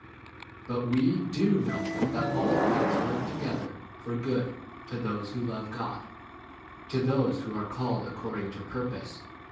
But we dos know that all things work together for good to those who love God, to those who are called 29 according to purpose.